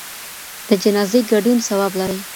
د جنازې ګډون ثواب لري.